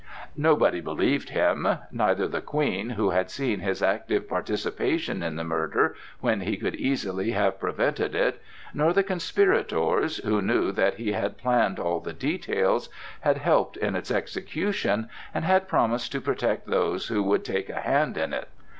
Nobody believed him,—neither the Queen, who had seen his active participation in the murder when he could easily have prevented it; nor the conspirators, who knew that he had planned all the details, had helped in its execution, and had promised to protect those who would take a hand in it.